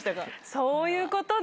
そういうことね。